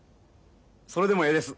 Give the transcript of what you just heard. それでもええです。